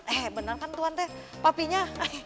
eh bener kan tuhan teh papinya